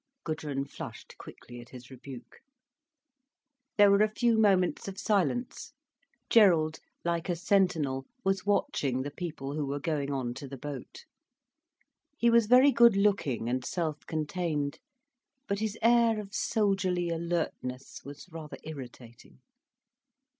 Gudrun flushed quickly at his rebuke. There were a few moments of silence. Gerald, like a sentinel, was watching the people who were going on to the boat. He was very good looking and self contained, but his air of soldierly alertness was rather irritating.